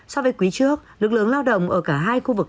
so với quý trước lực lượng lao động ở cả hai khu vực